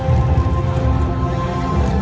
สโลแมคริปราบาล